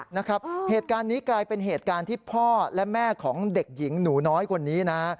นะครับเหตุการณ์นี้กลายเป็นเหตุการณ์ที่พ่อและแม่ของเด็กหญิงหนูน้อยคนนี้นะฮะ